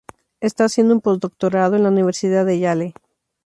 Está haciendo un postdoctorado en la Universidad de Yale.